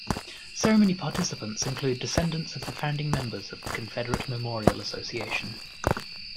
Ceremony participants include descendants of the founding members of the Confederate Memorial Association.